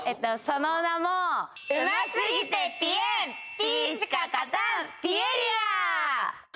その名もうますぎてぴえんＰしか勝たんピエリア！